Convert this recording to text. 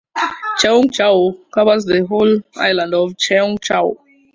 Cheung Chau covers the whole island of Cheung Chau.